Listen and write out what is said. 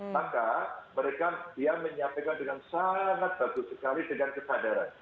maka mereka dia menyampaikan dengan sangat bagus sekali dengan kesadaran